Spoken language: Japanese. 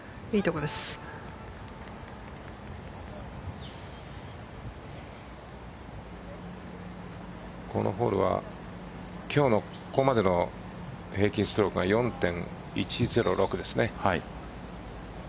このホールは今日のここまでの平均ストロークが４．１０６ですね。